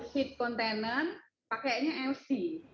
dua puluh feet container pakainya lc